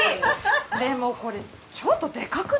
でもこれちょっとでかくない？